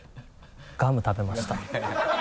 ガム食べました。